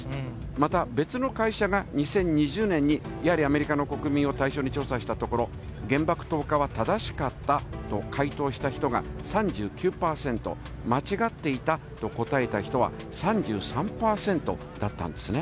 また、別の会社が２０２０年にやはりアメリカの国民を対象に調査したところ、原爆投下は正しかったと回答した人が３９％、間違っていたと答えた人は３３％だったんですね。